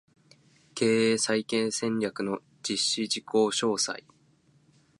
経営再建戦略の実施事項詳細